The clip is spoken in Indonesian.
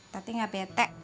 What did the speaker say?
tati gak bete